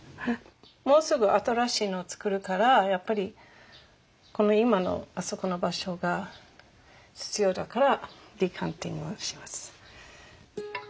もうすぐ新しいのをつくるからやっぱりこの今のあそこの場所が必要だからデカンティングをします。